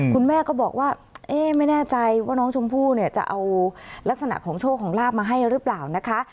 คุณแม่ก็บอกว่าเอ๊ะไม่แน่ใจว่าน้องชมพู่เนี่ยจะเอาลักษณะของโชคของลาบมาให้หรือเปล่านะคะ